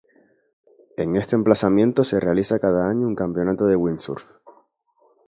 En ese emplazamiento se realiza cada año un campeonato de windsurf.